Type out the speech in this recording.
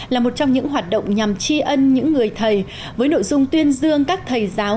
là một trong những hoạt động nhằm tri ân những người thầy với nội dung tuyên dương các thầy giáo